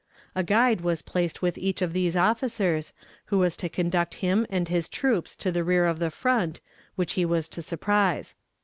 A guide was placed with each of these officers, who was to conduct him and his troops to the rear of the front, which he was to surprise.